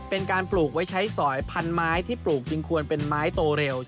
เป็นการปลูกไว้ใช้สอยพันไม้ที่ปลูกจึงควรเป็นไม้โตเร็ว